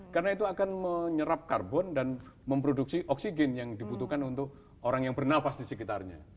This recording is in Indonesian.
karena itu akan menyerap karbon dan memproduksi oksigen yang dibutuhkan untuk orang yang bernafas di sekitarnya